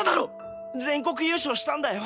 全国優勝したんだよ！？